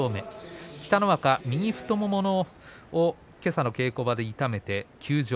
北の若、右の太ももをけさの稽古で痛めて休場。